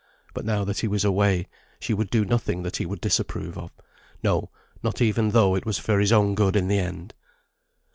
But now that he was away, she would do nothing that he would disapprove of; no, not even though it was for his own good in the end.